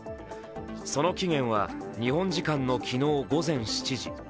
その期限は日本時間の昨日午前７時。